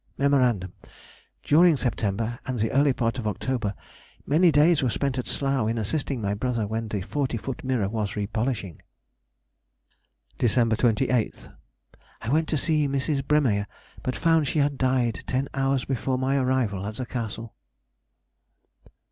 Mem.—During September, and the early part of October, many days were spent at Slough in assisting my brother when the 40 foot mirror was re polishing. December 28th.—I went to see Mrs. Bremeyer, but found she had died ten hours before my arrival at the Castle.